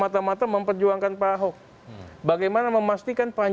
tak kalah apa